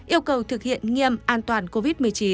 yêu cầu thực hiện nghiêm an toàn covid một mươi chín